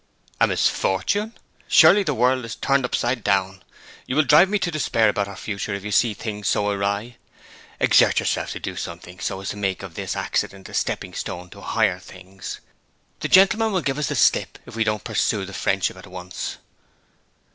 'A misfortune? Surely the world is turned upside down! You will drive me to despair about our future if you see things so awry. Exert yourself to do something, so as to make of this accident a stepping stone to higher things. The gentleman will give us the slip if we don't pursue the friendship at once.'